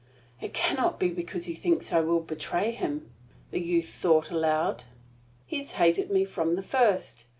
"It can not be because he thinks I will betray him," the youth thought aloud. "He has hated me from the first.